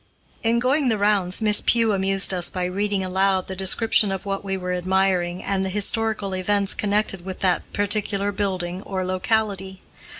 In going the rounds, Miss Pugh amused us by reading aloud the description of what we were admiring and the historical events connected with that particular building or locality.